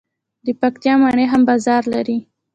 د پکتیا مڼې هم بازار لري.